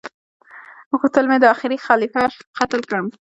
غوښتل مي دا اخيري خليفه قتل کړم